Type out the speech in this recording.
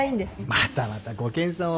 またまたご謙遜を。